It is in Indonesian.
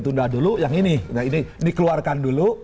tunda dulu yang ini nah ini dikeluarkan dulu